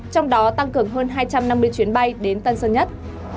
trong đó tăng cường hơn hai trăm năm mươi chuyến bay đến tân sơn nhất